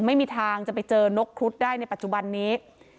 ไม่มีทางจะไปเจอนกครุฑได้ในปัจจุบันนี้